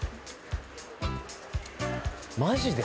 マジで？